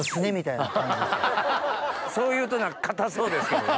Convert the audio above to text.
そう言うと硬そうですけどね。